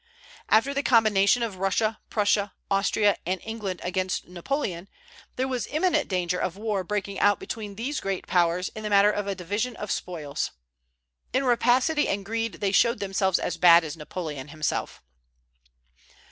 After the combination of Russia, Prussia, Austria, and England against Napoleon, there was imminent danger of war breaking out between these great Powers in the matter of a division of spoils. In rapacity and greed they showed themselves as bad as Napoleon himself.